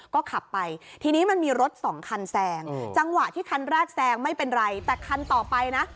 ก็ขับไปทีนี้มันมีรถสองคันแซงจังหวะที่คันแรกแซงไม่เป็นไรแต่คันต่อไปนะ